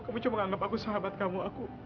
kamu cuma menganggap aku sahabat kamu